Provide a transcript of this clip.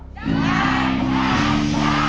ได้ได้ได้ได้